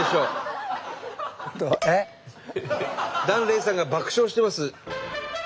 檀れいさんが爆笑してます。